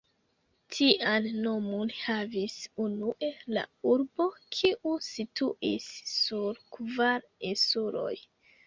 Tian nomon havis unue la urbo, kiu situis sur kvar insuloj.